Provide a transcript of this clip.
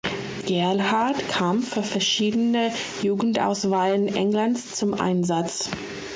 Gerlhard kam für verschiedene Jugendauswahlen Englands zum Einsatz.